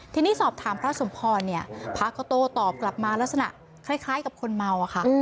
ทีนี้สอบถามพระสมพรณศีรษะพระกตัวตอบกลับมาลักษณะคล้ายกับคนเมาค่ะ